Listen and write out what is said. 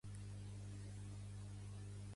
Volem tornar a votar.